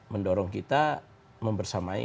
mendorong kita membersamai